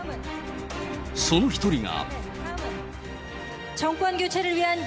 その一人が。